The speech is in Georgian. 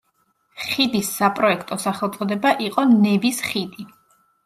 ხიდის საპროექტო სახელწოდება იყო ნევის ხიდი.